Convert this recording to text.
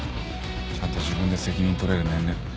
ちゃんと自分で責任取れる年齢。